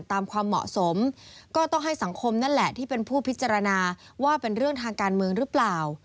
ความเหมาะสมก็ต้องให้สังคมนั่นแหละที่เป็นผู้พิจารณาว่าเป็นเรื่องทางการเมืองหรือเปล่า